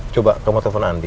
coba kamu telepon andin tanya